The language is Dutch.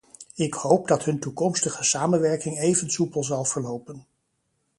Ik hoop dat hun toekomstige samenwerking even soepel zal verlopen.